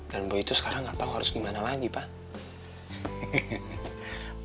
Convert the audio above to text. boy itu sekarang nggak tahu harus gimana lagi pak